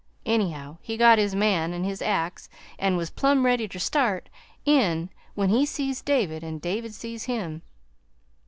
Anyhow, he got his man an' his axe, an' was plum ready ter start in when he sees David an' David sees him.